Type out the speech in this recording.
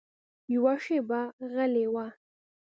يوه شېبه غلی و.